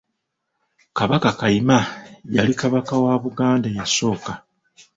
Kabaka Kayima yali Kabaka w Buganda eyasooka.